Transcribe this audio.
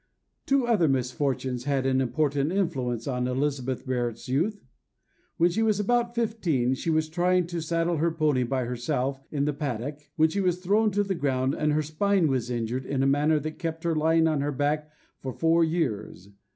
Two other misfortunes had an important influence on Elizabeth Barrett's youth. When she was about fifteen, she was trying to saddle her pony by herself in the paddock, when she was thrown to the ground, and her spine was injured in a manner that kept her lying on her back for four years.